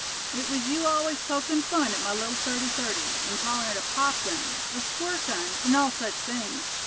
It was you always pokin' fun at my little thirty thirty, and callin' it a popgun, a squirtgun, and all such things.